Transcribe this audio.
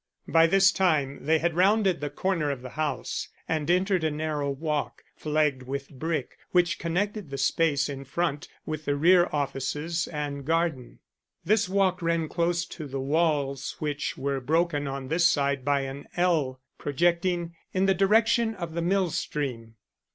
By this time they had rounded the corner of the house and entered a narrow walk, flagged with brick, which connected the space in front with the rear offices and garden. This walk ran close to the walls which were broken on this side by an ell projecting in the direction of the mill stream.